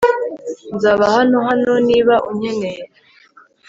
Nzaba hano hano niba unkeneye